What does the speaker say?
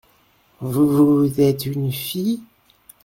Vous êtes une fille ?